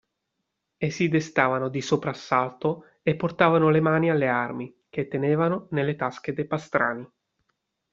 E si destavano di soprassalto e portavano le mani alle armi, che tenevano nelle tasche de' pastrani.